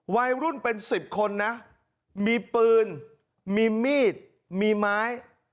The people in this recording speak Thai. วัยรุ่นเป็น๑๐คนนะมีปืนมีมีดมีไม้